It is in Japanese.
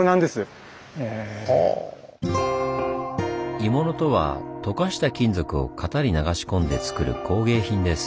鋳物とはとかした金属を型に流し込んでつくる工芸品です。